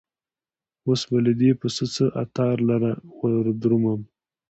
اوس به له دې پسه څه عطار لره وردرومم